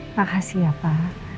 makasih ya pak